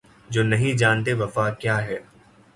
جو نہیں جانتے وفا کیا ہے